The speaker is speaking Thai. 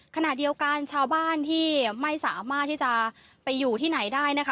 ขณะเดียวกันชาวบ้านที่ไม่สามารถที่จะไปอยู่ที่ไหนได้นะคะ